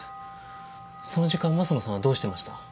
その時間益野さんはどうしてました？